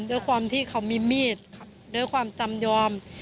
ด้วยความที่เขามีมีดด้วยความจำยอม